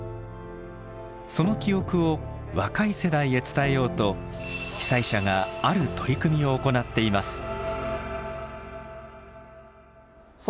その記憶を若い世代へ伝えようと被災者がある取り組みを行っています。